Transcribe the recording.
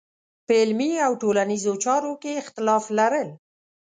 په علمي او ټولنیزو چارو کې اختلاف لرل.